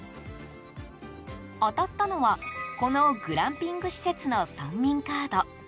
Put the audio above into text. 当たったのはこのグランピング施設の村民カード。